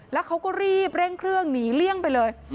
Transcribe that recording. แล้วเขาก็รีบเร่งเครื่องหนีเลี่ยงไปเลย